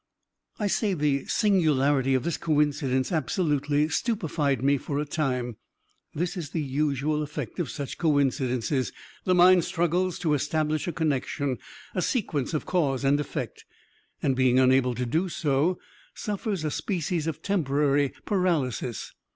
I say the singularity of this coincidence absolutely stupefied me for a time. This is the usual effect of such coincidences. The mind struggles to establish a connection a sequence of cause and effect and, being unable to do so, suffers a species of temporary paralysis.